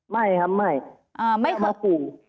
ไม่ครับไม่ไม่เคยขู่